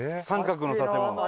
三角の建物。